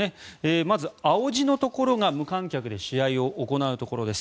まず、青字のところが無観客で試合を行うところです。